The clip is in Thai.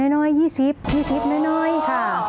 น้อย๒๐๒๐น้อยค่ะ